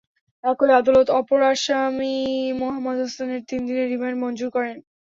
একই আদালত অপর আসামি মোহাম্মদ হোসেনের তিন দিনের রিমান্ড মঞ্জুর করেন।